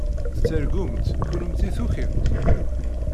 Tettargumt, kennemti tukimt?